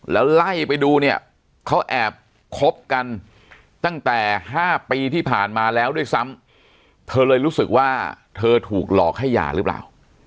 แล้วไล่ไปดูเนี่ยเขาแอบคบกันตั้งแต่๕ปีที่ผ่านมาแล้วด้วยซ้ำเธอเลยรู้สึกว่าเธอถูกหลอกให้หย่าหรือเปล่า